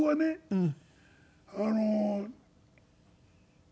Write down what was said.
うん。